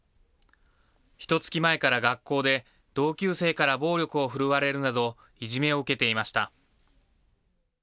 ひとつき前から学校で、同級生から暴力を振るわれるなど、いじめを受けていました。